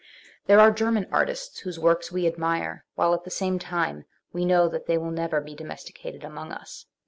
There are German artists whose works we admire, while at the same time we know that they will never be domes ticated among us.